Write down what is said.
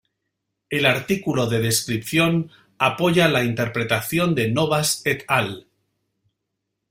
El artículo de descripción apoya la interpretación de Novas "et al".